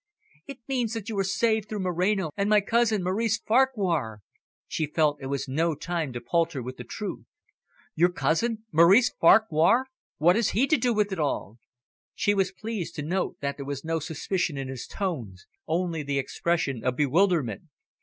"It means that you are saved through Moreno, and my cousin Maurice Farquhar." She felt it was no time to palter with the truth. "Your cousin, Maurice Farquhar! What has he to do with it all?" She was pleased to note that there was no suspicion in his tones, only the expression of bewilderment.